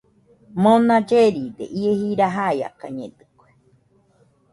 Mona lleride ie jira jaiakañedɨkue